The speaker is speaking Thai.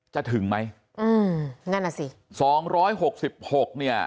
ถึงไหมอืมนั่นอ่ะสิสองร้อยหกสิบหกเนี่ย